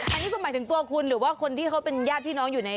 อันนี้คุณหมายถึงตัวคุณหรือว่าคนที่เขาเป็นญาติพี่น้องอยู่ใน